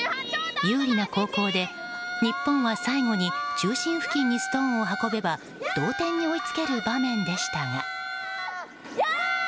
有利な後攻で日本は最後に中心部分にストーンを運べば同点に追いつける場面でしたが。